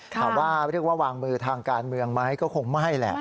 ถามว่าเรียกว่าวางมือทางการเมืองไหมก็คงไม่แหละ